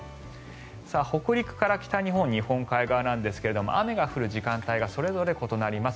北陸から北日本の日本海側なんですが雨が降る時間帯がそれぞれ異なります。